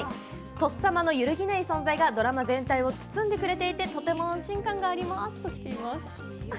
とっさまの揺るぎない存在がドラマ全体を包んでいてくれてとても安心感がありますときています。